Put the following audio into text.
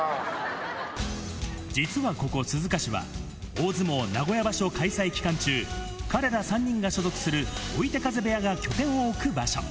実はここ、鈴鹿市は、大相撲名古屋場所開催期間中、彼ら３人が所属する追手風部屋が拠点を置く場所。